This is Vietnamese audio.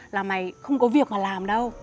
là mày không có việc mà làm đâu